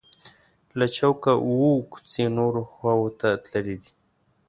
له چوکه اووه کوڅې نورو خواو ته تللي دي.